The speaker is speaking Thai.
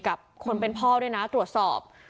กับคนเป็นพ่อด้วยนะตรวจสอบ